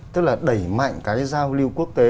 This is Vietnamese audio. tức là đẩy mạnh cái giao lưu quốc tế